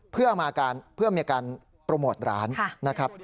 เพื่อมีการโปรโมทร้าน